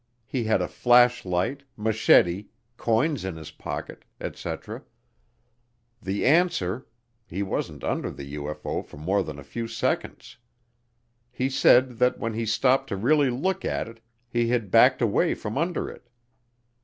He had a flashlight, machete, coins in his pocket, etc. The answer he wasn't under the UFO for more than a few seconds. He said that when he stopped to really look at it he had backed away from under it.